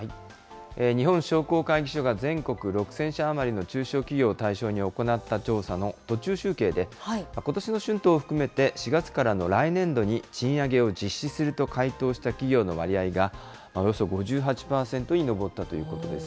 日本商工会議所が全国６０００社余りの中小企業を対象に行った調査の途中集計で、ことしの春闘を含めて４月からの来年度に賃上げを実施すると回答した企業の割合が、およそ５８％に上ったということです。